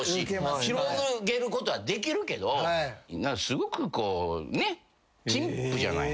広げることはできるけどすごくこうねっ陳腐じゃない。